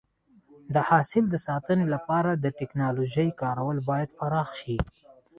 د حاصل د ساتنې لپاره د ټکنالوژۍ کارول باید پراخ شي.